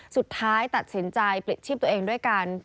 สุดท้ายตัดสินใจปลิดชีพตัวเองด้วยกัน